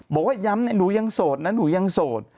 บอกว่าย้ำหนูยังโสดนะหนูยังโสด